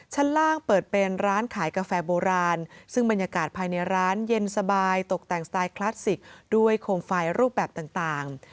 ชั้นล่างเปิดเป็นร้านขายกาแฟโบราณซึ่งบรรยากาศภายในร้านเย็นสบายตกแต่งสไตล์คลาสสิกด้วยโคมไฟรูปแบบต่าง